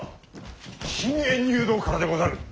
信玄入道からでござる。